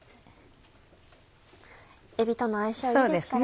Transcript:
えびとの相性いいですからね。